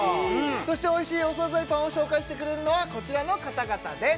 そしておいしいお惣菜パンを紹介してくれるのはこちらの方々です